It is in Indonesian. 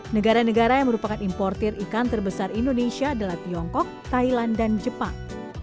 negara negara yang merupakan importer ikan terbesar indonesia adalah tiongkok thailand dan jepang